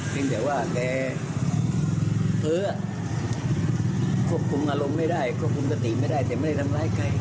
เป็นแต่ว่าแกเพ้อควบคุมอารมณ์ไม่ได้ควบคุมสติไม่ได้แต่ไม่ได้ทำร้ายใคร